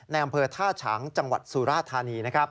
ในอำเภอท่าฉังจังหวัดสุราธานีนะครับ